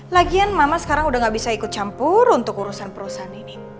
lagian mama sekarang udah gak bisa ikut campur untuk urusan perusahaan ini